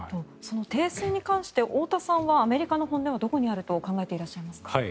停戦に関して太田さんはアメリカの本音はどこにあると考えていらっしゃいますか。